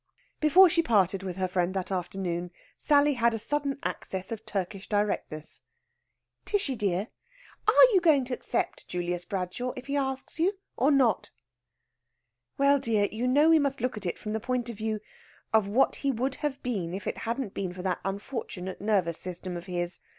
Before she parted with her friend that afternoon Sally had a sudden access of Turkish directness: "Tishy dear, are you going to accept Julius Bradshaw if he asks you, or not?" "Well, dear, you know we must look at it from the point of view of what he would have been if it hadn't been for that unfortunate nervous system of his.